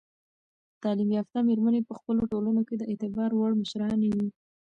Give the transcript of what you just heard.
تعلیم یافته میرمنې په خپلو ټولنو کې د اعتبار وړ مشرانې وي.